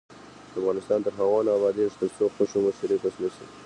افغانستان تر هغو نه ابادیږي، ترڅو خوښي مو شریکه نشي.